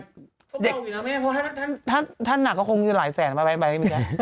ก็เบาอยู่นะแม่เพราะท่านหนักก็คงอยู่หลายแสนไปไม่ได้